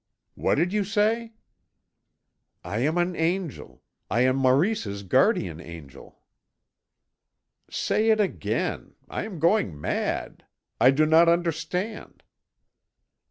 "What did you say?" "I am an angel. I am Maurice's guardian angel." "Say it again. I am going mad. I do not understand...."